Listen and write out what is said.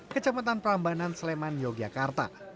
kecamatan perambanan sleman yogyakarta